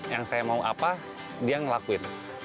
yang saya mau apa dia ngelakuin